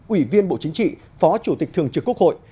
ủy viên bộ chính trị phó chủ tịch thường trực quốc hội